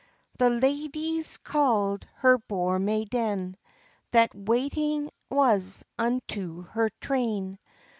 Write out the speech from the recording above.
The ladye's called her bour maiden, That waiting was unto her train.